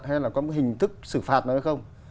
hay là có một hình thức xử phạt nó hay không